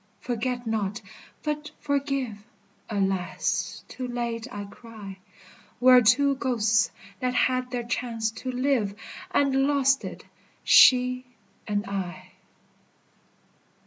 Forget not, but forgive! Alas, too late I cry. We are two ghosts that had their chance to live, And lost it, she and I.